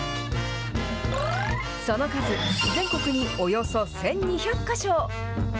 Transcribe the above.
その数、全国におよそ１２００か所。